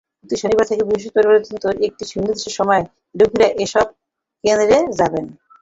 প্রতি শনিবার থেকে বৃহস্পতিবার পর্যন্ত একটি নির্দিষ্ট সময়ে রোগীরা এসব কেন্দ্রে যাবেন।